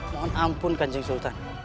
mohon ampun kanjeng sultan